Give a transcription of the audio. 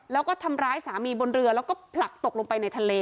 แล้วก็ทำร้ายสามีบนเรือแล้วก็ผลักตกลงไปในทะเล